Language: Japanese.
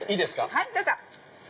はいどうぞ。